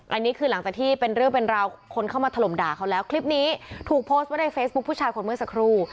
อันนี้คือหลังจากที่เป็นเรื่องเป็นราวคนเข้ามาถล่มด่าเขาแล้วคลิปนี้ถูกโพสต์ไว้ในเฟซบุ๊คผู้ชายคนเมื่อสักครู่